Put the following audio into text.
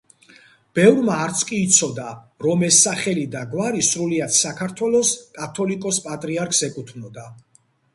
ბევრმა არც კი იცოდა რომ ეს სახელი და გვარი სრულიად საქართველოს კათოლიკოს-პატრიარქს ეკუთვნოდა.